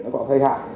nó có thời hạn